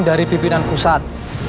dari pimpinan pusat